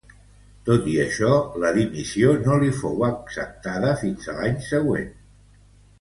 Tot i això, la dimissió no li fou acceptada fins a l'any següent.